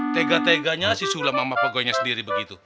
tega teganya si sulam sama pegawainya sendiri begitu